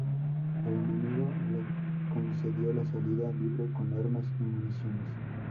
El enemigo le concedió la salida libre con armas y municiones.